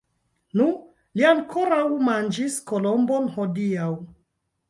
Nu! li ankoraŭ manĝis kolombon hodiaŭ.